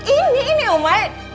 ini ini umar